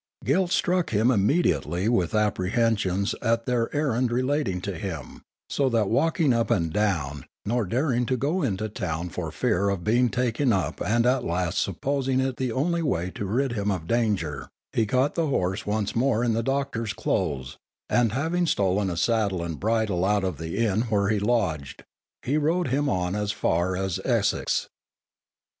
Guilt struck him immediately with apprehensions at their errand relating to him, so that walking up and down, nor daring to go into the town for fear of being taken up and at last supposing it the only way to rid him of danger, he caught the horse once more in the doctor's close, and having stolen a saddle and bridle out of the inn where he lodged, he rode on him as far as Essex.